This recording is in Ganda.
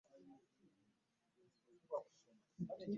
Katikkiro Mayiga akoze obutaweera omukubiriza abantu okwerinda endwadde.